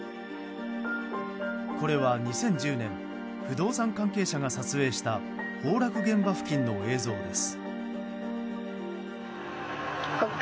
これは２０１０年不動産関係者が撮影した崩落現場付近の映像です。